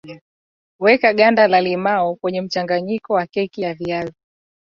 weka ganda la limao kenye mchanganyiko wa keki ya viazi